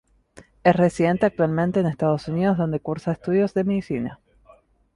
Es residente actualmente en Estados Unidos, donde cursa estudios de Medicina.